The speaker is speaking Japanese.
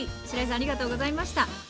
しらいさんありがとうございました。